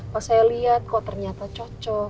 kalau saya lihat kok ternyata cocok